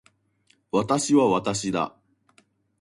私は私だ。